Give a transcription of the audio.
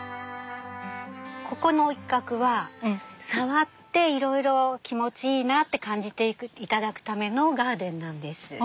ここの一角は触っていろいろ気持ちいいなって感じて頂くためのガーデンなんです。